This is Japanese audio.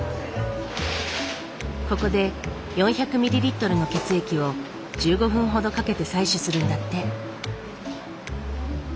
ここで４００ミリリットルの血液を１５分ほどかけて採取するんだって。